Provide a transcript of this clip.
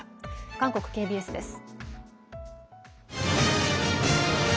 韓国ＫＢＳです。